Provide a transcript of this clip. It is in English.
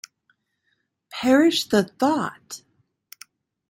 Perish the thought.